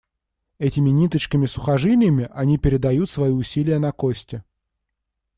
Этими ниточками-сухожилиями они передают свои усилия на кости.